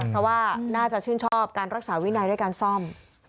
เพราะว่าน่าจะชื่นชอบการรักษาวินัยด้วยการซ่อม